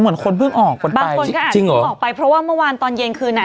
เหมือนคนเพิ่งออกบางคนก็อาจจะเพิ่งออกไปเพราะว่าเมื่อวานตอนเย็นคืนอ่ะ